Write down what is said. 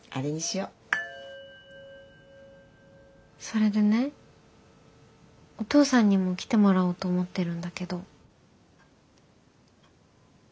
それでねお父さんにも来てもらおうと思ってるんだけど。